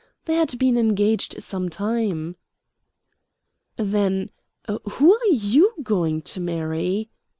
They had been engaged some time." "Then who are YOU going to marry?"